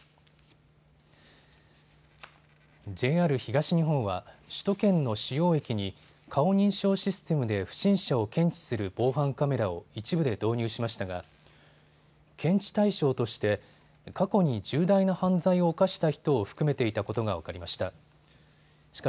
ＪＲ東日本は首都圏の主要駅に顔認証システムで不審者を検知する防犯カメラを一部で導入しましたが検知対象として過去に重大な犯罪を犯した人を含めていたことが分かりました。